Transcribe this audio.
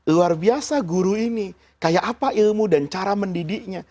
luar biasa guru ini kayak apa ilmu dan cara mendidiknya